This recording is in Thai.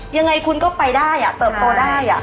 ยังไงคุณก็ไปได้เติบโตได้